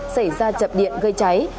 xảy ra chập điện gây cháy